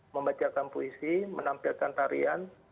membacakan puisi menampilkan tarian